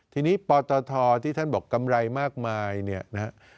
ทีนี้ปตทที่ท่านบอกกำไรมากมายเนี่ยนะฮะ